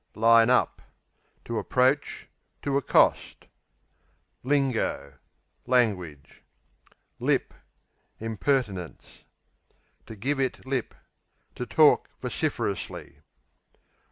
Line up To approach; to accost. Lingo Language. Lip Impertinence. To give it lip To talk vociferously.